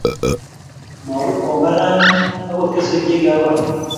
Mawekwo mbaranni agot keswek che kiagol